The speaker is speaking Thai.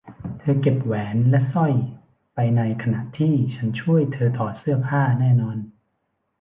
เธอเก็บแหวนและสร้อยไปในขณะที่ฉันช่วยเธอถอดเสื้อผ้าแน่นอน